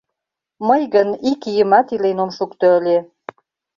Мый гын ик ийымат илен ом шукто ыле.